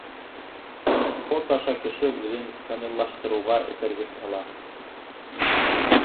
Спорт аша кеше үҙен камиллаштырыуға этәргес ала.